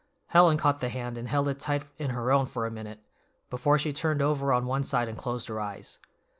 Helen caught the hand and held it tight in her own for a minute, before she turned over on one side and closed her eyes.